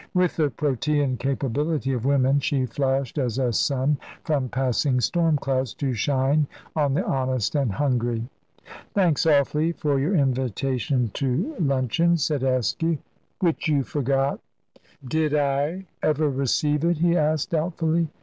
With the protean capability of women she flashed as a sun from passing storm clouds, to shine on the honest and hungry. "Thanks awfully for your invitation to luncheon," said Askew. "Which you forgot." "Did I ever receive it?" he asked doubtfully.